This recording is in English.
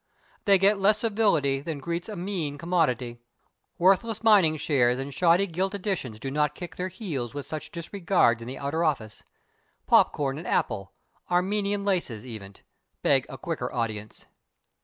They get less civility than greets a mean commodity. Worthless mining shares and shoddy gilt editions do not kick their heels with such disregard in the outer office. Popcorn and apples Armenian laces, even beg a quicker audience.